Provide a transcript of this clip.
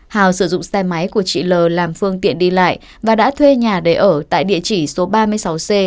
hào sử dụng xe máy của chị l làm phương tiện đi lại và đã thuê nhà để ở tại địa chỉ số ba mươi sáu c